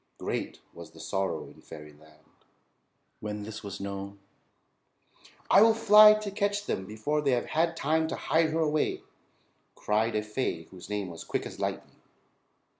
Great was the sorrow in fairyland when this was known. "I will fly to catch them before they have had time to hide her away," cried a fay whose name was Quick As Lightning.